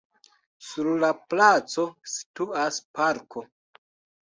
Sur la placo situas parko.